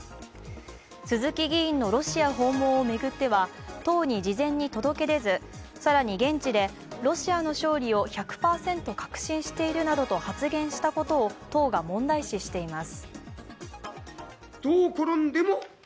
鈴木議員のロシア訪問を巡っては、党に事前に届け出ず更に現地でロシアの勝利を１００％確信しているなどと発言したことを党が問題視しています。